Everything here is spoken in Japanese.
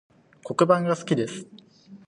黒板が好きです